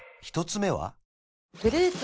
１つ目は？